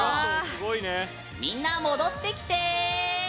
みんな戻ってきて！